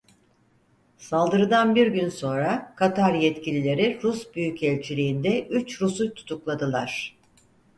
Saldırıdan bir gün sonra Katar yetkilileri Rus büyükelçiliğinde üç Rus'u tutukladılar.